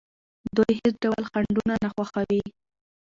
دوی هیڅ ډول خنډونه نه خوښوي.